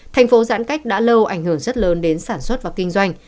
thành phố giãn cách đã lâu ảnh hưởng rất lớn đến sản xuất và kinh doanh